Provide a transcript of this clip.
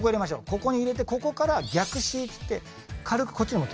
ここに入れてここから逆Ｃっていって軽くこっちに持っていきます。